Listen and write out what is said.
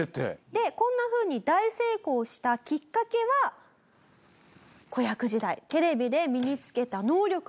でこんなふうに大成功したきっかけは子役時代テレビで身につけた能力だという事なんです。